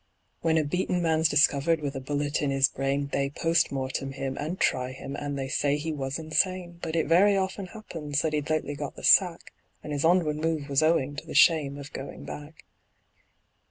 When a beaten man's discovered with a bullet in his brain, They POST MORTEM him, and try him, and they say he was insane; But it very often happens that he'd lately got the sack, And his onward move was owing to the shame of going back.